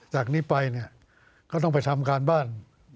จากนี้ไปเนี่ยก็ต้องไปทำการบ้าน